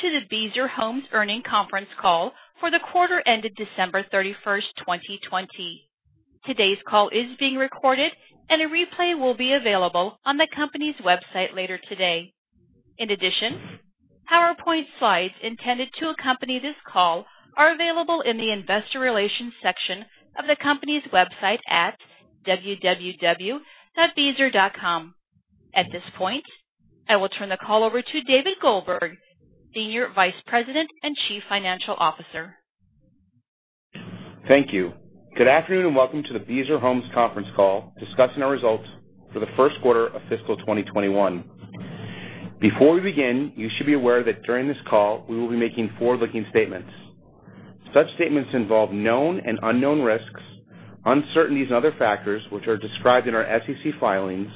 Welcome to the Beazer Homes Earnings Conference Call for the Quarter Ended December 31st, 2020. Today's call is being recorded, and a replay will be available on the company's website later today. In addition, PowerPoint slides intended to accompany this call are available in the investor relations section of the company's website at www.beazer.com. At this point, I will turn the call over to David Goldberg, senior vice president and chief financial officer. Thank you. Good afternoon and welcome to the Beazer Homes conference call discussing our results for the first quarter of fiscal 2021. Before we begin, you should be aware that during this call, we will be making forward-looking statements. Such statements involve known and unknown risks, uncertainties, and other factors, which are described in our SEC filings,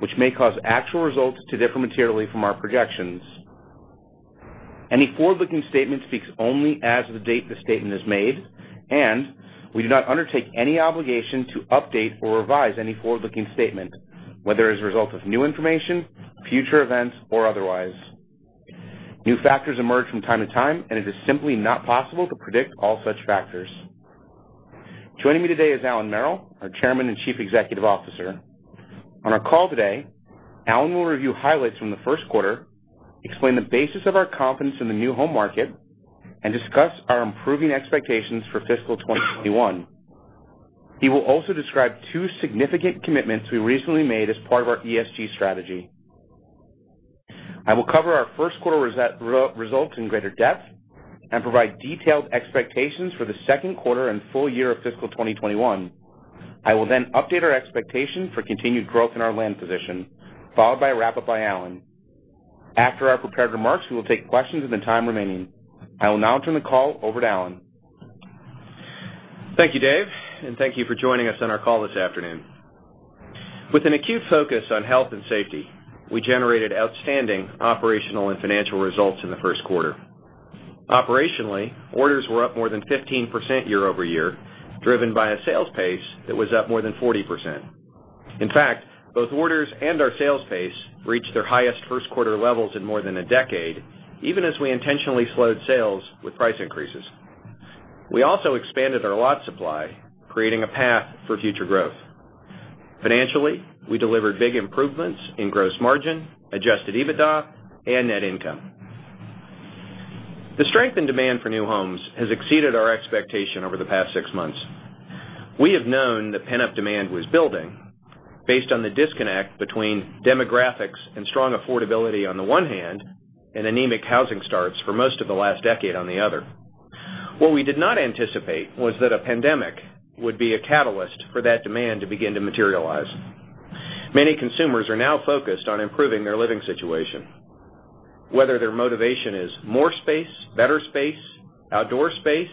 which may cause actual results to differ materially from our projections. Any forward-looking statement speaks only as of the date the statement is made, and we do not undertake any obligation to update or revise any forward-looking statement, whether as a result of new information, future events, or otherwise. New factors emerge from time to time, and it is simply not possible to predict all such factors. Joining me today is Allan Merrill, our chairman and chief executive officer. On our call today, Allan will review highlights from the first quarter, explain the basis of our confidence in the new home market, and discuss our improving expectations for fiscal 2021. He will also describe two significant commitments we recently made as part of our ESG strategy. I will cover our first quarter results in greater depth and provide detailed expectations for the second quarter and full year of fiscal 2021. I will then update our expectation for continued growth in our land position, followed by a wrap-up by Allan. After our prepared remarks, we will take questions in the time remaining. I will now turn the call over to Allan. Thank you, Dave, and thank you for joining us on our call this afternoon. With an acute focus on health and safety, we generated outstanding operational and financial results in the first quarter. Operationally, orders were up more than 15% year-over-year, driven by a sales pace that was up more than 40%. In fact, both orders and our sales pace reached their highest first-quarter levels in more than a decade, even as we intentionally slowed sales with price increases. We also expanded our lot supply, creating a path for future growth. Financially, we delivered big improvements in gross margin, adjusted EBITDA, and net income. The strength in demand for new homes has exceeded our expectation over the past six months. We have known that pent-up demand was building based on the disconnect between demographics and strong affordability on the one hand, and anemic housing starts for most of the last decade on the other. What we did not anticipate was that a pandemic would be a catalyst for that demand to begin to materialize. Many consumers are now focused on improving their living situation. Whether their motivation is more space, better space, outdoor space,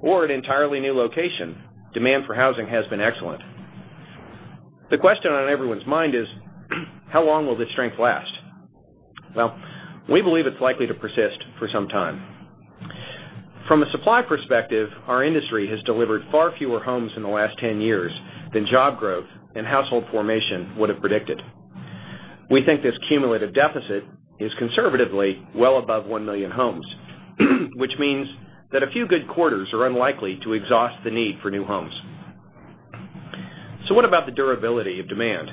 or an entirely new location, demand for housing has been excellent. The question on everyone's mind is how long will this strength last? Well, we believe it's likely to persist for some time. From a supply perspective, our industry has delivered far fewer homes in the last 10 years than job growth and household formation would have predicted. We think this cumulative deficit is conservatively well above 1 million homes, which means that a few good quarters are unlikely to exhaust the need for new homes. What about the durability of demand?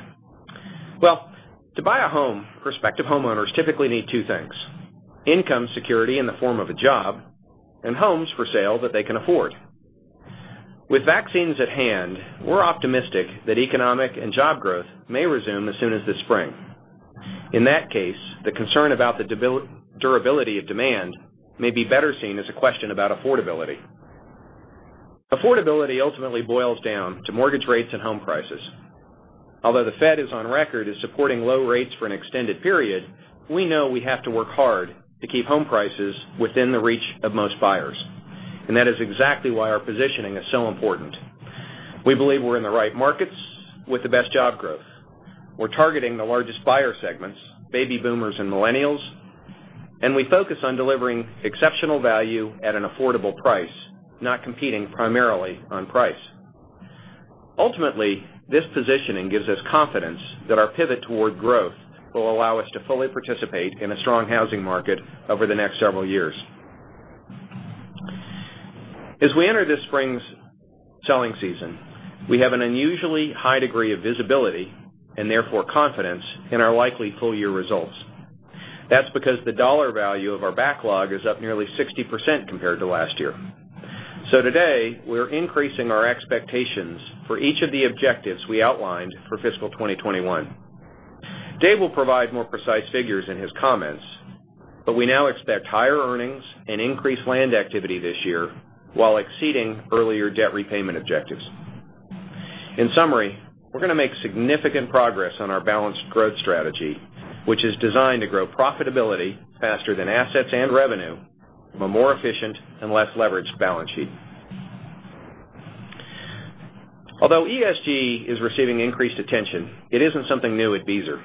Well, to buy a home, prospective homeowners typically need two things, income security in the form of a job and homes for sale that they can afford. With vaccines at hand, we're optimistic that economic and job growth may resume as soon as this spring. In that case, the concern about the durability of demand may be better seen as a question about affordability. Affordability ultimately boils down to mortgage rates and home prices. Although the Fed is on record as supporting low rates for an extended period, we know we have to work hard to keep home prices within the reach of most buyers. That is exactly why our positioning is so important. We believe we're in the right markets with the best job growth. We're targeting the largest buyer segments, baby boomers and millennials. We focus on delivering exceptional value at an affordable price, not competing primarily on price. Ultimately, this positioning gives us confidence that our pivot toward growth will allow us to fully participate in a strong housing market over the next several years. As we enter this spring's selling season, we have an unusually high degree of visibility, and therefore confidence in our likely full-year results. That's because the dollar value of our backlog is up nearly 60% compared to last year. Today, we're increasing our expectations for each of the objectives we outlined for fiscal 2021. Dave will provide more precise figures in his comments, but we now expect higher earnings and increased land activity this year while exceeding earlier debt repayment objectives. In summary, we're going to make significant progress on our balanced growth strategy, which is designed to grow profitability faster than assets and revenue from a more efficient and less leveraged balance sheet. Although ESG is receiving increased attention, it isn't something new at Beazer.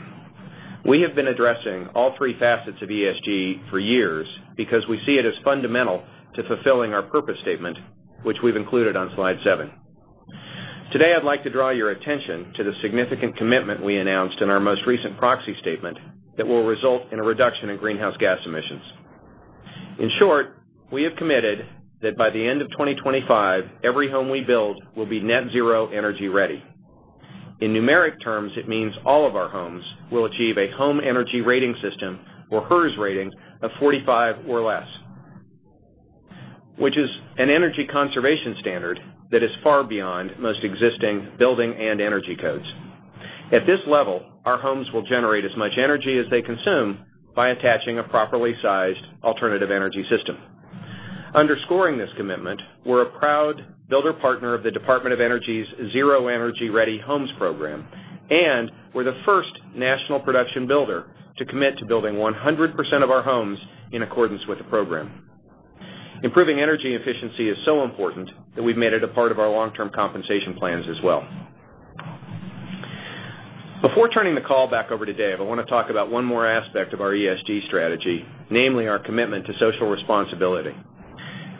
We have been addressing all three facets of ESG for years because we see it as fundamental to fulfilling our purpose statement, which we've included on slide seven. Today, I'd like to draw your attention to the significant commitment we announced in our most recent proxy statement that will result in a reduction in greenhouse gas emissions. In short, we have committed that by the end of 2025, every home we build will be net zero energy ready. In numeric terms, it means all of our homes will achieve a Home Energy Rating System, or HERS rating of 45 or less, which is an energy conservation standard that is far beyond most existing building and energy codes. At this level, our homes will generate as much energy as they consume by attaching a properly sized alternative energy system. Underscoring this commitment, we're a proud builder partner of the Department of Energy's Zero Energy Ready Home program, and we're the first national production builder to commit to building 100% of our homes in accordance with the program. Improving energy efficiency is so important that we've made it a part of our long-term compensation plans as well. Before turning the call back over to Dave, I want to talk about one more aspect of our ESG strategy, namely our commitment to social responsibility.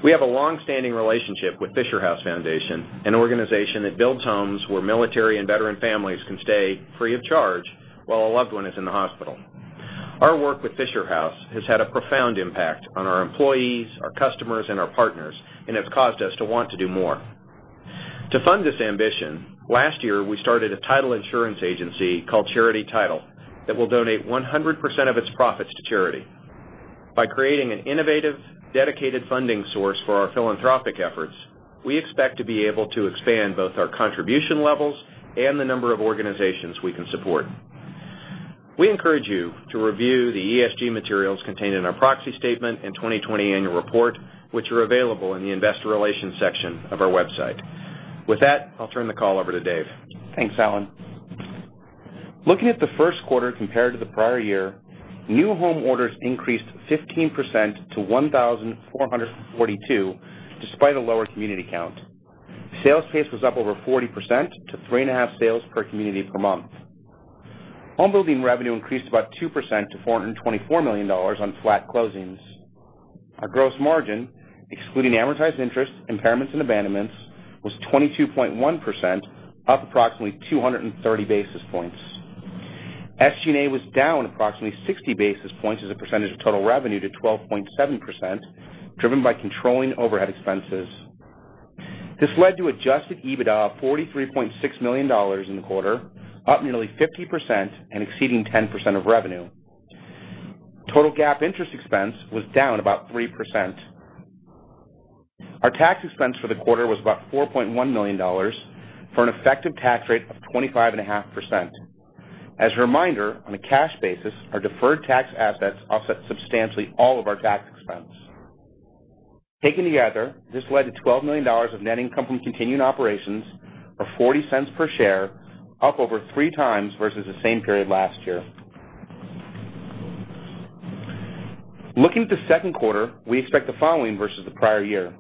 We have a long-standing relationship with Fisher House Foundation, an organization that builds homes where military and veteran families can stay free of charge while a loved one is in the hospital. Our work with Fisher House has had a profound impact on our employees, our customers, and our partners, and has caused us to want to do more. To fund this ambition, last year, we started a title insurance agency called Charity Title that will donate 100% of its profits to charity. By creating an innovative, dedicated funding source for our philanthropic efforts, we expect to be able to expand both our contribution levels and the number of organizations we can support. We encourage you to review the ESG materials contained in our proxy statement and 2020 annual report, which are available in the investor relations section of our website. With that, I'll turn the call over to Dave. Thanks, Allan. Looking at the first quarter compared to the prior year, new home orders increased 15% to 1,442, despite a lower community count. Sales pace was up over 40% to three and a half sales per community per month. Homebuilding revenue increased about 2% to $424 million on flat closings. Our gross margin, excluding amortized interest, impairments, and abandonments, was 22.1%, up approximately 230 basis points. SG&A was down approximately 60 basis points as a percentage of total revenue to 12.7%, driven by controlling overhead expenses. This led to adjusted EBITDA of $43.6 million in the quarter, up nearly 50% and exceeding 10% of revenue. Total GAAP interest expense was down about 3%. Our tax expense for the quarter was about $4.1 million for an effective tax rate of 25.5%. As a reminder, on a cash basis, our deferred tax assets offset substantially all of our tax expense. Taken together, this led to $12 million of net income from continuing operations of $0.40 per share, up over three times versus the same period last year. Looking at the second quarter, we expect the following versus the prior-year: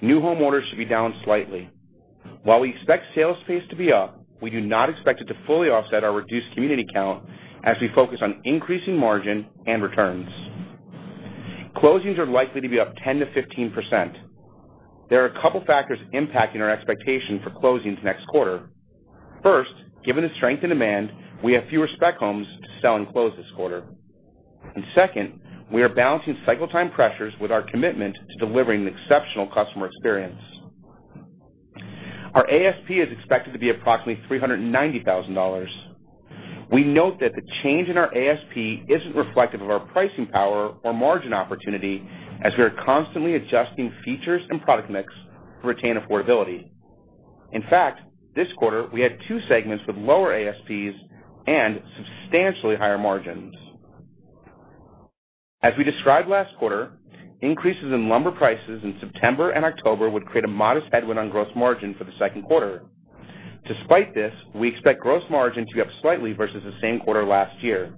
new home orders should be down slightly. While we expect sales pace to be up, we do not expect it to fully offset our reduced community count as we focus on increasing margin and returns. Closings are likely to be up 10%-15%. There are a couple factors impacting our expectation for closings next quarter. First, given the strength in demand, we have fewer spec homes to sell and close this quarter. Second, we are balancing cycle time pressures with our commitment to delivering an exceptional customer experience. Our ASP is expected to be approximately $390,000. We note that the change in our ASP isn't reflective of our pricing power or margin opportunity, as we are constantly adjusting features and product mix to retain affordability. In fact, this quarter, we had two segments with lower ASPs and substantially higher margins. As we described last quarter, increases in lumber prices in September and October would create a modest headwind on gross margin for the second quarter. Despite this, we expect gross margin to be up slightly versus the same quarter last year.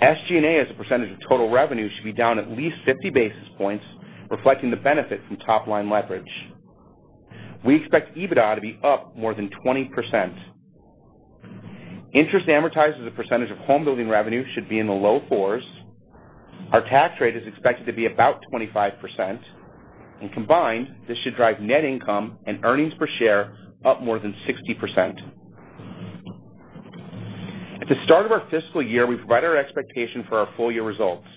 SG&A as a percentage of total revenue should be down at least 50 basis points, reflecting the benefit from top-line leverage. We expect EBITDA to be up more than 20%. Interest amortized as a percentage of home building revenue should be in the low fours. Our tax rate is expected to be about 25%, combined, this should drive net income and earnings per share up more than 60%. At the start of our fiscal year, we provided our expectation for our full-year results.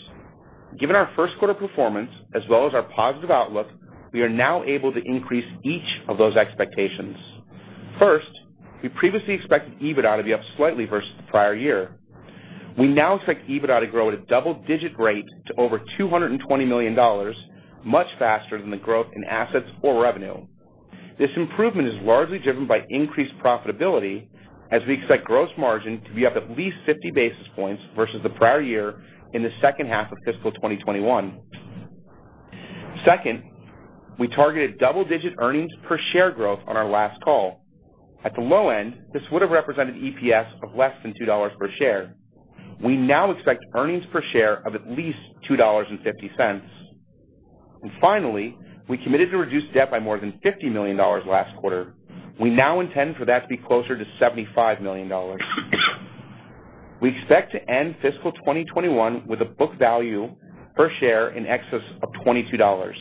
Given our first quarter performance, as well as our positive outlook, we are now able to increase each of those expectations. First, we previously expected EBITDA to be up slightly versus the prior year. We now expect EBITDA to grow at a double-digit rate to over $220 million, much faster than the growth in assets or revenue. This improvement is largely driven by increased profitability as we expect gross margin to be up at least 50 basis points versus the prior year in the second half of fiscal 2021. Second, we targeted double-digit earnings per share growth on our last call. At the low end, this would have represented EPS of less than $2 per share. We now expect earnings per share of at least $2.50. Finally, we committed to reduce debt by more than $50 million last quarter. We now intend for that to be closer to $75 million. We expect to end fiscal 2021 with a book value per share in excess of $22.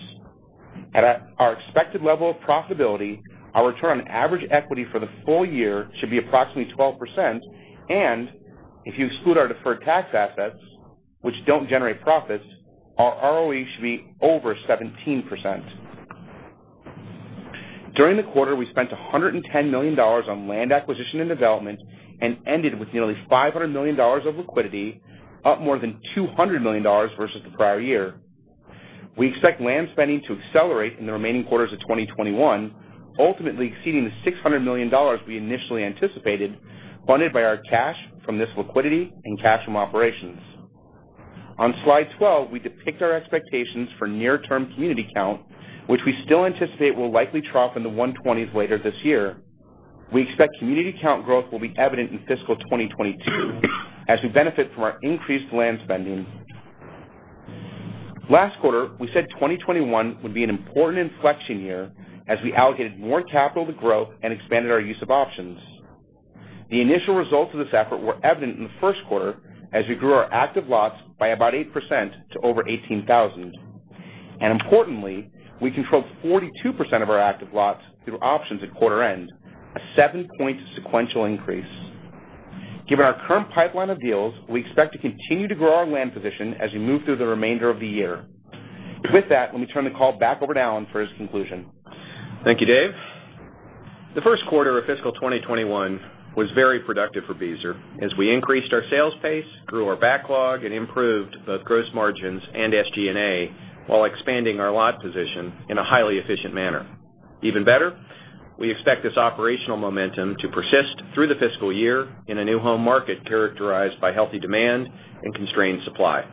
At our expected level of profitability, our return on average equity for the full year should be approximately 12%, and if you exclude our deferred tax assets, which don't generate profits, our ROE should be over 17%. During the quarter, we spent $110 million on land acquisition and development and ended with nearly $500 million of liquidity, up more than $200 million versus the prior year. We expect land spending to accelerate in the remaining quarters of 2021, ultimately exceeding the $600 million we initially anticipated, funded by our cash from this liquidity and cash from operations. On slide 12, we depict our expectations for near-term community count, which we still anticipate will likely trough in the 120s later this year. We expect community count growth will be evident in fiscal 2022 as we benefit from our increased land spending. Last quarter, we said 2021 would be an important inflection year as we allocated more capital to growth and expanded our use of options. The initial results of this effort were evident in the first quarter as we grew our active lots by about 8% to over 18,000. Importantly, we controlled 42% of our active lots through options at quarter end, a seven-point sequential increase. Given our current pipeline of deals, we expect to continue to grow our land position as we move through the remainder of the year. With that, let me turn the call back over to Allan for his conclusion. Thank you, Dave. The first quarter of fiscal 2021 was very productive for Beazer as we increased our sales pace, grew our backlog, and improved both gross margins and SG&A while expanding our lot position in a highly efficient manner. Even better, we expect this operational momentum to persist through the fiscal year in a new home market characterized by healthy demand and constrained supply.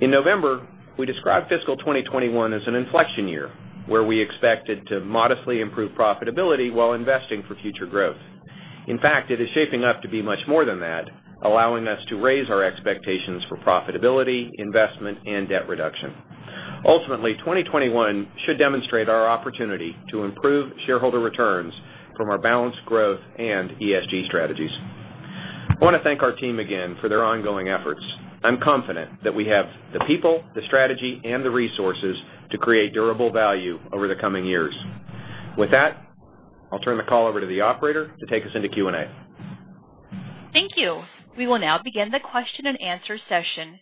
In November, we described fiscal 2021 as an inflection year, where we expected to modestly improve profitability while investing for future growth. In fact, it is shaping up to be much more than that, allowing us to raise our expectations for profitability, investment, and debt reduction. Ultimately, 2021 should demonstrate our opportunity to improve shareholder returns from our balanced growth and ESG strategies. I want to thank our team again for their ongoing efforts. I'm confident that we have the people, the strategy, and the resources to create durable value over the coming years. With that, I'll turn the call over to the operator to take us into Q&A. Thank you. We will now begin the question-and-answer session.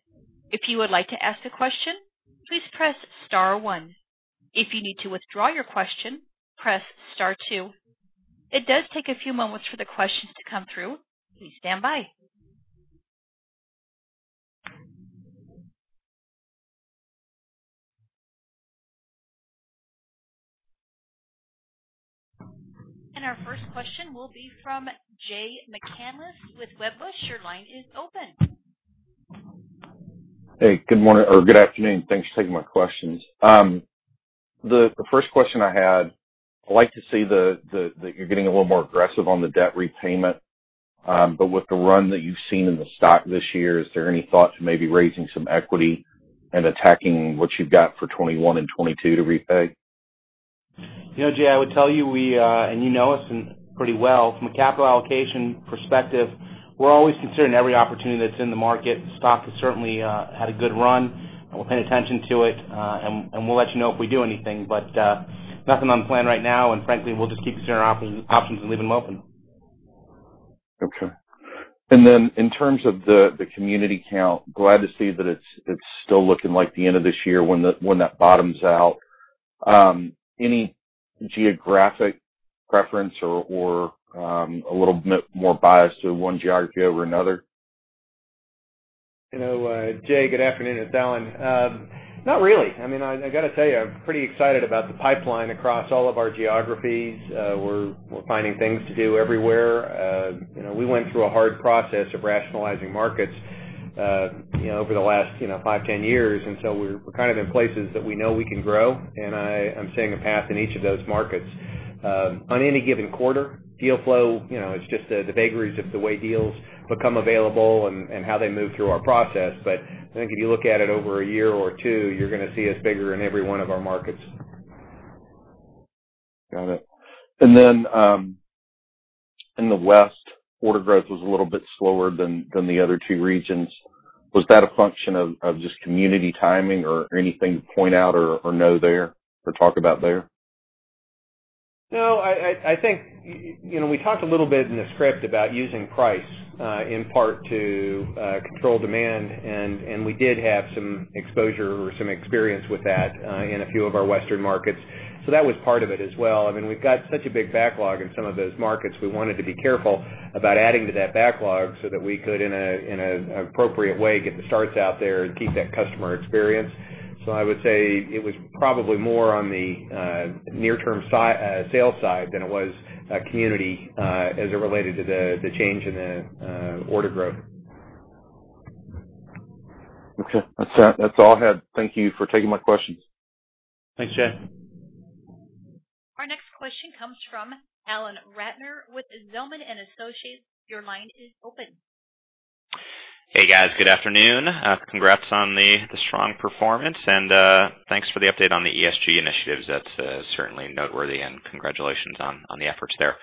If you would like to ask a question, please press star one. If you need to withdraw your question, press star two. It does take a few moments for the questions to come through. Please stand by. Our first question will be from Jay McCanless with Wedbush. Your line is open. Hey, good morning or good afternoon. Thanks for taking my questions. The first question I had, I'd like to see that you're getting a little more aggressive on the debt repayment. With the run that you've seen in the stock this year, is there any thought to maybe raising some equity and attacking what you've got for 2021 and 2022 to repay? Jay, I would tell you, and you know us pretty well, from a capital allocation perspective, we're always considering every opportunity that's in the market. The stock has certainly had a good run, and we're paying attention to it, and we'll let you know if we do anything. Nothing on the plan right now, and frankly, we'll just keep considering our options and leave them open. Okay. In terms of the community count, glad to see that it's still looking like the end of this year when that bottoms out. Any geographic preference or a little more bias to one geography over another? Jay, good afternoon. It's Alan. Not really. I got to tell you, I'm pretty excited about the pipeline across all of our geographies. We're finding things to do everywhere. We went through a hard process of rationalizing markets over the last five, 10 years, and so we're kind of in places that we know we can grow, and I'm seeing a path in each of those markets. On any given quarter, deal flow, it's just the vagaries of the way deals become available and how they move through our process. I think if you look at it over a year or two, you're going to see us bigger in every one of our markets. Got it. In the West, order growth was a little bit slower than the other two regions. Was that a function of just community timing or anything to point out or know there or talk about there? No. We talked a little bit in the script about using price in part to control demand. We did have some exposure or some experience with that in a few of our Western markets. That was part of it as well. We've got such a big backlog in some of those markets. We wanted to be careful about adding to that backlog so that we could, in an appropriate way, get the starts out there and keep that customer experience. I would say it was probably more on the near-term sales side than it was community as it related to the change in the order growth. Okay. That's all I had. Thank you for taking my questions. Thanks, Jay. Our next question comes from Alan Ratner with Zelman & Associates. Your line is open. Hey, guys. Good afternoon. Congrats on the strong performance. Thanks for the update on the ESG Initiatives. That's certainly noteworthy. Congratulations on the efforts there.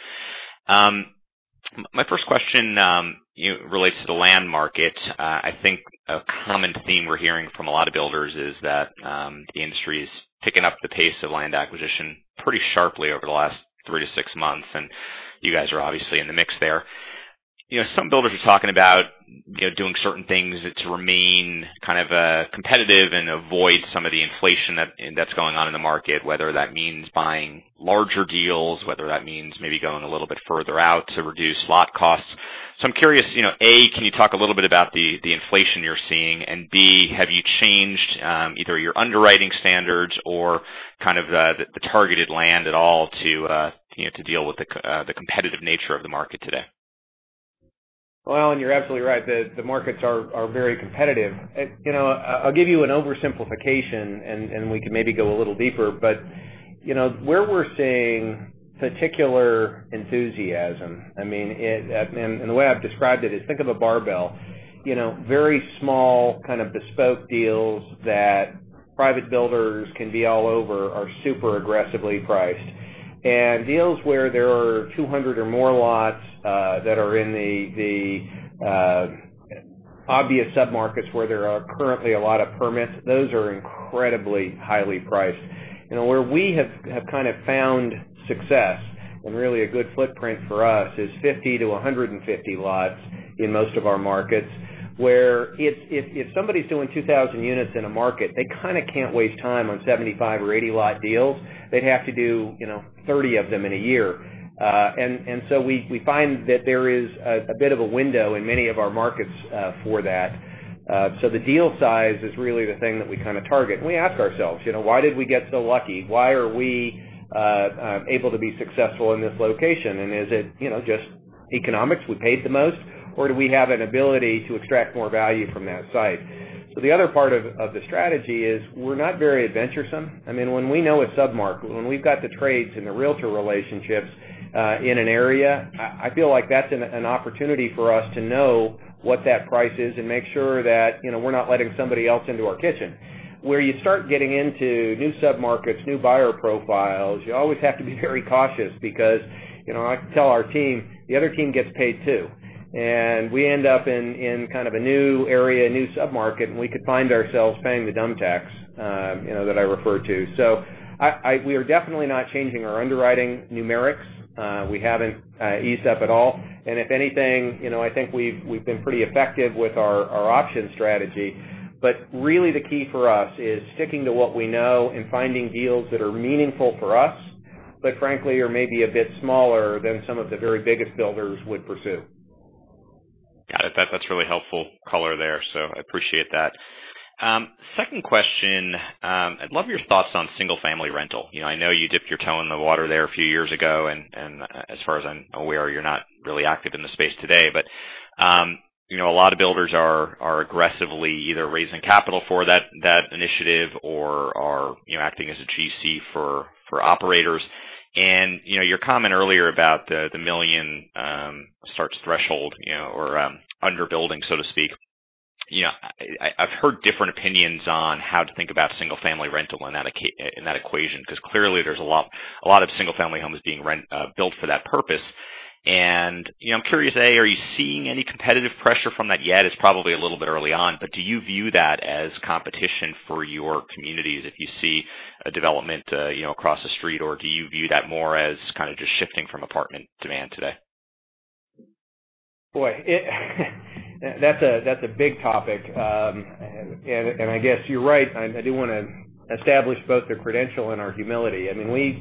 My first question relates to the land market. I think a common theme we're hearing from a lot of builders is that the industry's picking up the pace of land acquisition pretty sharply over the last three to six months. You guys are obviously in the mix there. Some builders are talking about doing certain things to remain competitive and avoid some of the inflation that's going on in the market, whether that means buying larger deals, whether that means maybe going a little bit further out to reduce lot costs. I'm curious, A, can you talk a little bit about the inflation you're seeing, and B, have you changed either your underwriting standards or the targeted land at all to deal with the competitive nature of the market today? Well, you're absolutely right. The markets are very competitive. I'll give you an oversimplification, and we can maybe go a little deeper, but where we're seeing particular enthusiasm, and the way I've described it is think of a barbell. Very small kind of bespoke deals that private builders can be all over are super aggressively priced. Deals where there are 200 or more lots that are in the obvious submarkets where there are currently a lot of permits, those are incredibly highly priced. Where we have kind of found success, and really a good footprint for us, is 50-150 lots in most of our markets. Where if somebody's doing 2,000 units in a market, they kind of can't waste time on 75 or 80-lot deals. They'd have to do 30 of them in a year. We find that there is a bit of a window in many of our markets for that. The deal size is really the thing that we kind of target. We ask ourselves, why did we get so lucky? Why are we able to be successful in this location? Is it just economics, we paid the most, or do we have an ability to extract more value from that site? The other part of the strategy is we're not very adventuresome. When we know a submarket, when we've got the trades and the realtor relationships in an area, I feel like that's an opportunity for us to know what that price is and make sure that we're not letting somebody else into our kitchen. Where you start getting into new submarkets, new buyer profiles, you always have to be very cautious because I can tell our team, the other team gets paid, too. We end up in kind of a new area, a new submarket, and we could find ourselves paying the dumb tax that I referred to. We are definitely not changing our underwriting numerics. We haven't eased up at all. If anything, I think we've been pretty effective with our option strategy. Really the key for us is sticking to what we know and finding deals that are meaningful for us, but frankly, are maybe a bit smaller than some of the very biggest builders would pursue. Got it. That's really helpful color there, so I appreciate that. Second question. I'd love your thoughts on single-family rental. I know you dipped your toe in the water there a few years ago, and as far as I'm aware, you're not really active in the space today. A lot of builders are aggressively either raising capital for that initiative or are acting as a GC for operators. Your comment earlier about the million starts threshold, or underbuilding, so to speak. I've heard different opinions on how to think about single-family rental in that equation, because clearly there's a lot of single-family homes being built for that purpose. I'm curious, A, are you seeing any competitive pressure from that yet? It's probably a little bit early on, but do you view that as competition for your communities if you see a development across the street, or do you view that more as kind of just shifting from apartment demand today? Boy, that's a big topic. I guess you're right. I do want to establish both the credential and our humility.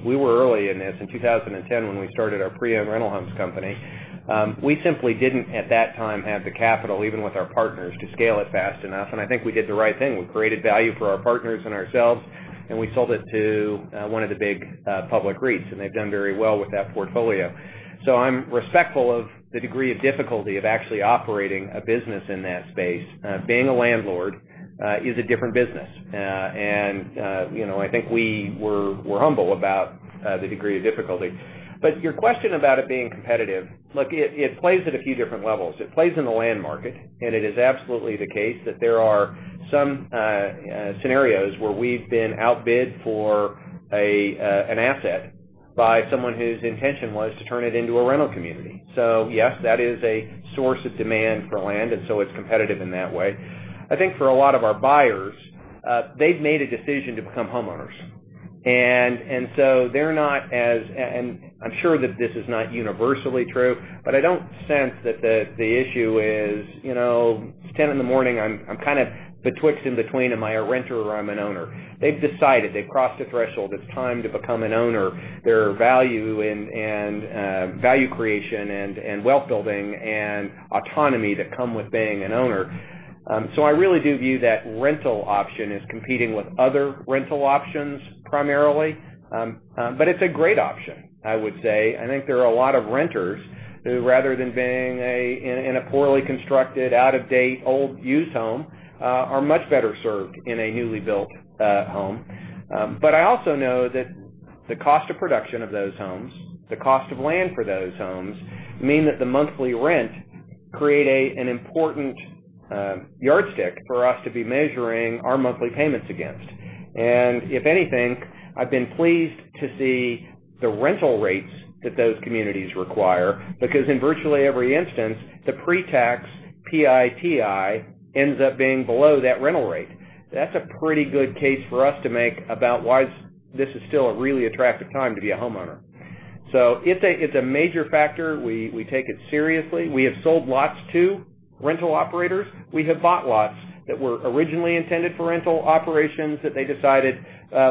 We were early in this. In 2010, when we started our pre-owned rental homes company. We simply didn't, at that time, have the capital, even with our partners, to scale it fast enough. I think we did the right thing. We created value for our partners and ourselves, we sold it to one of the big public REITs, they've done very well with that portfolio. I'm respectful of the degree of difficulty of actually operating a business in that space. Being a landlord is a different business. I think we're humble about the degree of difficulty. Your question about it being competitive, look, it plays at a few different levels. It plays in the land market, and it is absolutely the case that there are some scenarios where we've been outbid for an asset by someone whose intention was to turn it into a rental community. Yes, that is a source of demand for land, and so it's competitive in that way. I think for a lot of our buyers, they've made a decision to become homeowners. I'm sure that this is not universally true, but I don't sense that the issue is, 10:00 A.M., I'm kind of betwixt in between. Am I a renter or I'm an owner? They've decided. They've crossed a threshold. It's time to become an owner. There are value creation and wealth building and autonomy that come with being an owner. I really do view that rental option as competing with other rental options primarily. It's a great option, I would say. I think there are a lot of renters who, rather than being in a poorly constructed, out-of-date, old used home, are much better served in a newly built home. I also know that the cost of production of those homes, the cost of land for those homes, mean that the monthly rent create an important yardstick for us to be measuring our monthly payments against. If anything, I've been pleased to see the rental rates that those communities require, because in virtually every instance, the pre-tax PITI ends up being below that rental rate. That's a pretty good case for us to make about why this is still a really attractive time to be a homeowner. It's a major factor. We take it seriously. We have sold lots to rental operators. We have bought lots that were originally intended for rental operations that they decided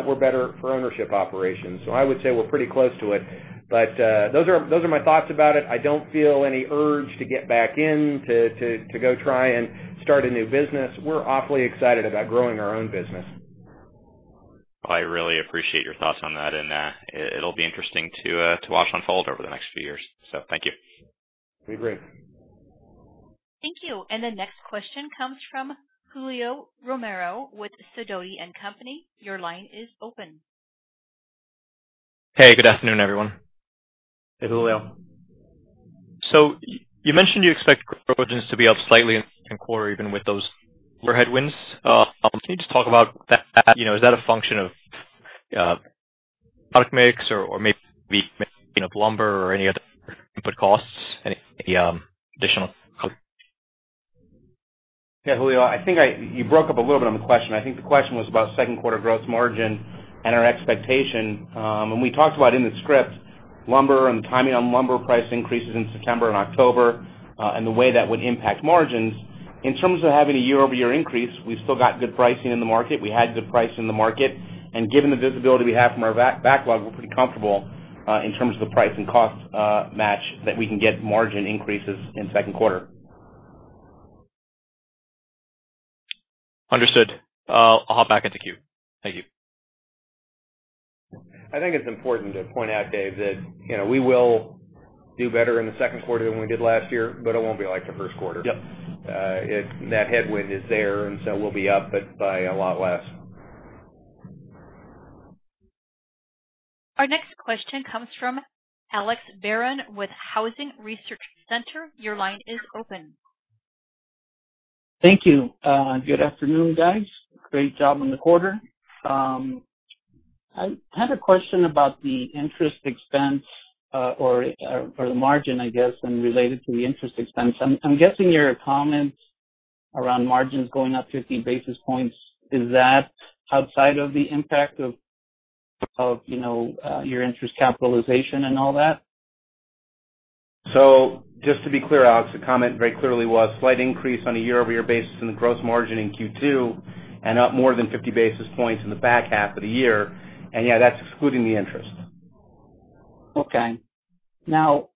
were better for ownership operations. I would say we're pretty close to it. Those are my thoughts about it. I don't feel any urge to get back in to go try and start a new business. We're awfully excited about growing our own business. I really appreciate your thoughts on that. It'll be interesting to watch unfold over the next few years. Thank you. Agreed. Thank you. The next question comes from Julio Romero with Sidoti & Company. Your line is open. Hey, good afternoon, everyone. Hey, Julio. You mentioned you expect gross margins to be up slightly in the second quarter even with those other headwinds. Can you just talk about that? Is that a function of product mix or maybe lumber or any other input costs? Any additional color? Yeah, Julio, I think you broke up a little bit on the question. I think the question was about second quarter gross margin and our expectation. We talked about in the script, lumber and the timing on lumber price increases in September and October, and the way that would impact margins. In terms of having a year-over-year increase, we've still got good pricing in the market. We had good pricing in the market, and given the visibility we have from our backlog, we're pretty comfortable, in terms of the price and cost match, that we can get margin increases in the second quarter. Understood. I'll hop back into queue. Thank you. I think it's important to point out, Dave, that we will do better in the second quarter than we did last year, but it won't be like the first quarter. Yep. That headwind is there, and so we'll be up, but by a lot less. Our next question comes from Alex Barron with Housing Research Center. Your line is open. Thank you. Good afternoon, guys. Great job on the quarter. I had a question about the interest expense or the margin, I guess, and related to the interest expense. I'm guessing your comments around margins going up 50 basis points, is that outside of the impact of your interest capitalization and all that? Just to be clear, Alex, the comment very clearly was slight increase on a year-over-year basis in the gross margin in Q2 and up more than 50 basis points in the back half of the year. Yeah, that's excluding the interest. Okay.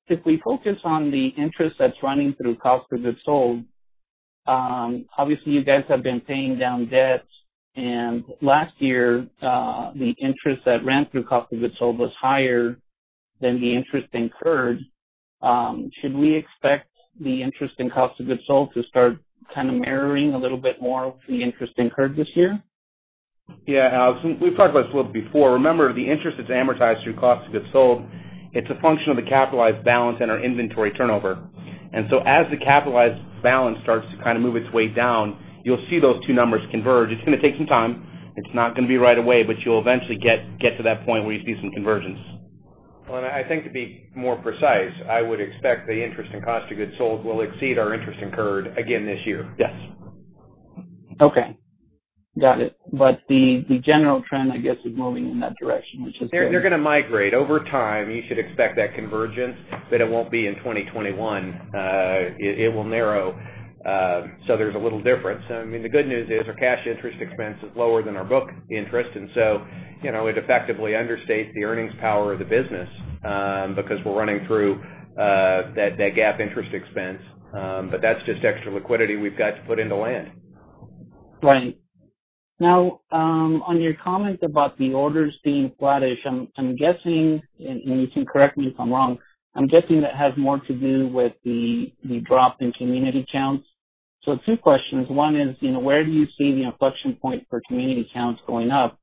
If we focus on the interest that's running through cost of goods sold, obviously you guys have been paying down debts, and last year, the interest that ran through cost of goods sold was higher than the interest incurred. Should we expect the interest in cost of goods sold to start kind of mirroring a little bit more with the interest incurred this year? Yeah, Alex, we've talked about this a little before. Remember, the interest that's amortized through cost of goods sold, it's a function of the capitalized balance and our inventory turnover. As the capitalized balance starts to kind of move its way down, you'll see those two numbers converge. It's going to take some time. It's not going to be right away, but you'll eventually get to that point where you see some convergence. Well, I think to be more precise, I would expect the interest in cost of goods sold will exceed our interest incurred again this year. Yes. Okay. Got it. The general trend, I guess, is moving in that direction, which is good. They're going to migrate. Over time, you should expect that convergence, but it won't be in 2021. It will narrow, so there's a little difference. The good news is our cash interest expense is lower than our book interest, and so it effectively understates the earnings power of the business, because we're running through that GAAP interest expense. That's just extra liquidity we've got to put into land. Right. On your comment about the orders being flattish, I'm guessing, and you can correct me if I'm wrong, I'm guessing that has more to do with the drop in community counts. Two questions. One is, where do you see the inflection point for community counts going up?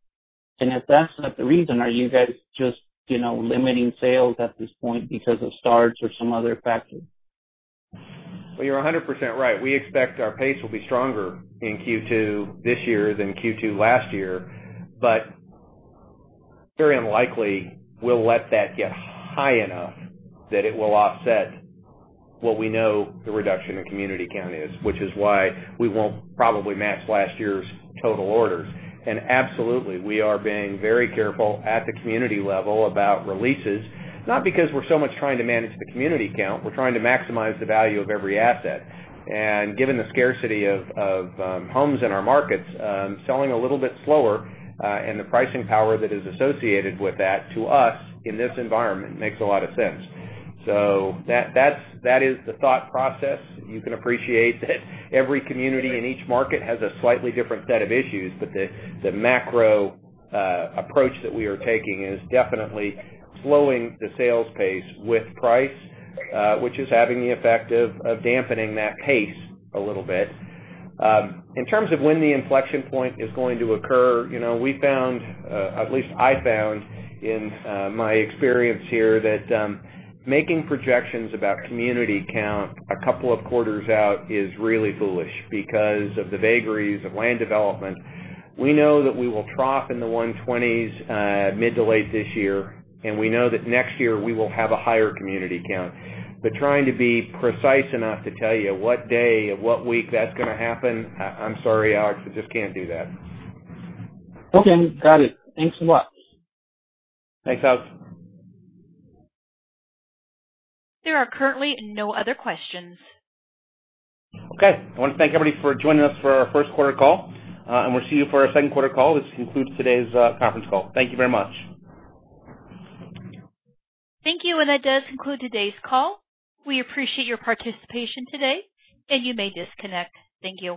If that's not the reason, are you guys just limiting sales at this point because of starts or some other factor? Well, you're 100% right. We expect our pace will be stronger in Q2 this year than Q2 last year, but it's very unlikely we'll let that get high enough that it will offset what we know the reduction in community count is, which is why we won't probably match last year's total orders. Absolutely, we are being very careful at the community level about releases, not because we're so much trying to manage the community count. We're trying to maximize the value of every asset. Given the scarcity of homes in our markets, selling a little bit slower, and the pricing power that is associated with that, to us, in this environment, makes a lot of sense. That is the thought process. You can appreciate that every community in each market has a slightly different set of issues, but the macro approach that we are taking is definitely slowing the sales pace with price, which is having the effect of dampening that pace a little bit. In terms of when the inflection point is going to occur, we found, at least I found in my experience here, that making projections about community count a couple of quarters out is really foolish because of the vagaries of land development. We know that we will trough in the 120s, mid to late this year, and we know that next year we will have a higher community count. Trying to be precise enough to tell you what day of what week that's going to happen, I'm sorry, Alex, I just can't do that. Okay, got it. Thanks so much. Thanks, Alex. There are currently no other questions. Okay. I want to thank everybody for joining us for our first quarter call, and we'll see you for our second quarter call. This concludes today's conference call. Thank you very much. Thank you. That does conclude today's call. We appreciate your participation today, and you may disconnect. Thank you.